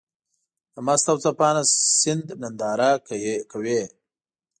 د مست او څپانده سيند ننداره کوې.